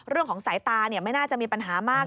เรื่องของสายตาไม่น่าจะมีปัญหามาก